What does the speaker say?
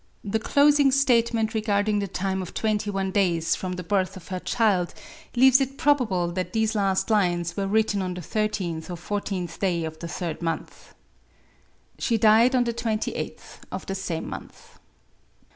The closing statement regarding the time of twenty one days from the birth of her child leaves it probable that these last lines were written on the thirteenth or fourteenth day of the third month. She died on the twenty eighth of the same month.